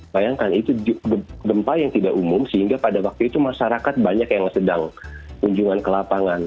bayangkan itu gempa yang tidak umum sehingga pada waktu itu masyarakat banyak yang sedang kunjungan ke lapangan